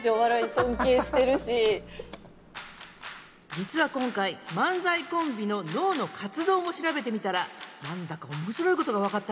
実は今回漫才コンビの脳の活動も調べてみたら何だか面白いことが分かったみたい。